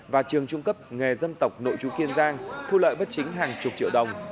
và trường trung cấp nghề dân tộc nội chú kiên giang thu lợi bất chính hàng chục triệu đồng